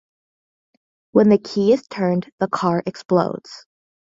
When the key is turned, the car explodes.